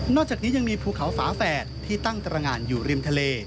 จากนี้ยังมีภูเขาฝาแฝดที่ตั้งตรงานอยู่ริมทะเล